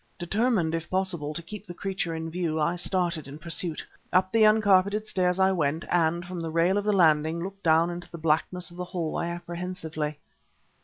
Determined, if possible, to keep the creature in view, I started in pursuit. Up the uncarpeted stairs I went, and, from the rail of the landing, looked down into the blackness of the hallway apprehensively.